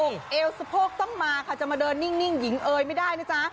เอวสะโพกต้องมาค่ะจะมาเดินนิ่งหญิงเอยไม่ได้นะจ๊ะ